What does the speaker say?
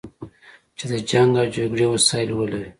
چې د جنګ او جګړې وسایل ولري.